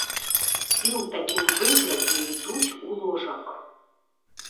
І ў такім выглядзе ідуць у ложак.